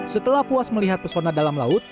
setelah puas melihat pesona dalam laut